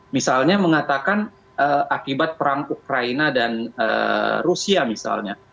misalnya mengatakan akibat perang ukraina dan rusia misalnya